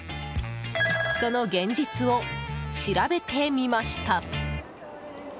その現実を調べてみました。